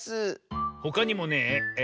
ほかにもねえ